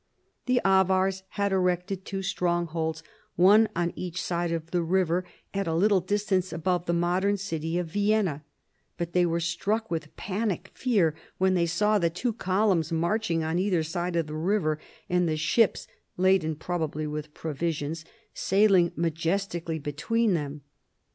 The Avars had erected two strongholds, one on each side of the river, at a little distance above the mod ern city of Vienna: but they were struck with panic fear when they saw the two columns marching on either side of the river, and the ships (laden prob ably with provisions) sailing majestically between them.